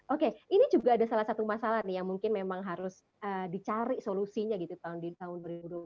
oke ini juga ada salah satu masalah nih yang mungkin memang harus dicari solusinya gitu di tahun dua ribu dua puluh